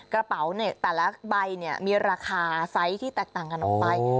กระเป๋าแต่ละใบมีราคาไซส์ที่แตกต่างกันออกไป